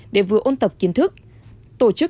để vừa ôn tập kiến thức tổ chức